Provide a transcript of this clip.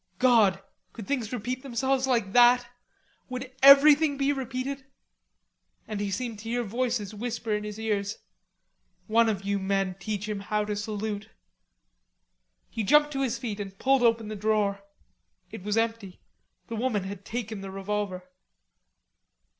God, could things repeat themselves like that? Would everything be repeated? And he seemed to hear voices whisper in his ears: "One of you men teach him how to salute." He jumped to his feet and pulled open the drawer. It was empty. The woman had taken the revolver.